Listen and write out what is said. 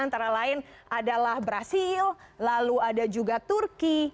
antara lain adalah brazil lalu ada juga turki